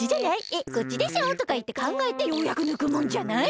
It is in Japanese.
「えっこっちでしょ？」とかいってかんがえてようやくぬくもんじゃない？